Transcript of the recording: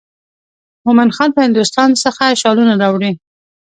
مومن خان به هندوستان څخه شالونه راوړي.